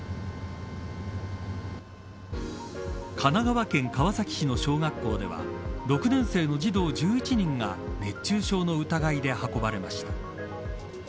神奈川県川崎市の小学校では６年生の児童１１人が熱中症の疑いで運ばれました。